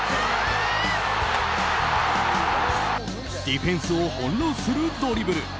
ディフェンスを翻弄するドリブル。